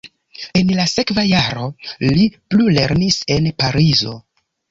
En la sekva jaro li plulernis en Parizo.